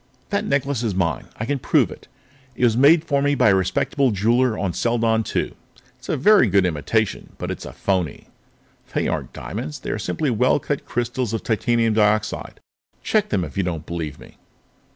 "That necklace is mine. I can prove it. It was made for me by a respectable jeweler on Seladon II. It's a very good imitation, but it's a phoney. They aren't diamonds; they're simply well cut crystals of titanium dioxide. Check them if you don't believe me."